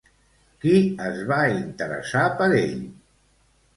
Qui es va interessar per ell?